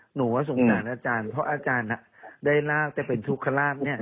หนูว่าสงสารอาจารย์เพราะอาจารย์ได้ลาบแต่เป็นทุกขลาบเนี่ย